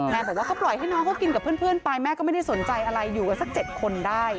บอกว่าก็ปล่อยให้น้องเขากินกับเพื่อนไปแม่ก็ไม่ได้สนใจอะไรอยู่กันสัก๗คนได้